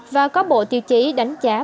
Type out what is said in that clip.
và có bộ tiêu chí đánh giá